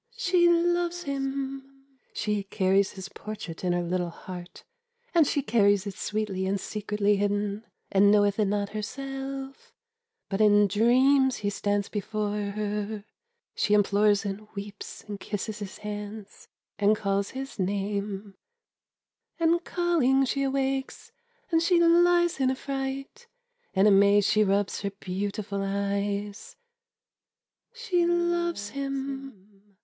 she loves him! She carries his portrait in her little heart, And she carries it sweetly and secretly hidden, And knoweth it not herself! But in dreams he stands before her. She implores and weeps and kisses his hands, And calls his name, And calling she awakes, and she lies in affright, And amazed she rubs her beautiful eyes, She loves him!